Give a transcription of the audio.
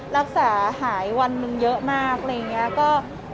รักษาหายวันหนึ่งเยอะมากอะไรอย่างนี้